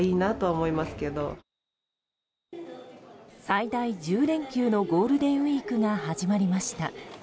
最大１０連休のゴールデンウィークが始まりました。